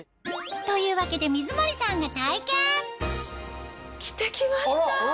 というわけで水森さんが体験着て来ました！